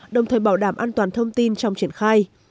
đồng thời bảo đảm an toàn thông tin trong triển khai